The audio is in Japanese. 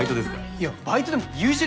いやバイトでも優秀です